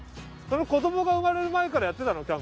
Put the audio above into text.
どもが生まれる前からやってたの？